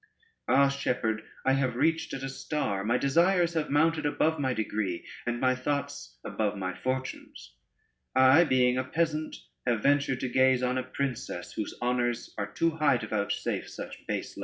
Ah, Shepherd, I have reached at a star: my desires have mounted above my degree, and my thoughts above my fortunes. I being a peasant, have ventured to gaze on a princess, whose honors are too high to vouchsafe such base loves."